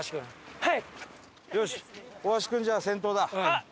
はい。